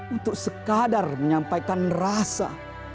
untuk sekadar menyampaikan rasa